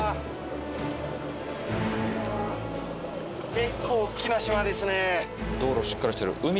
結構おっきな島ですね。